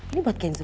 ini buat genzo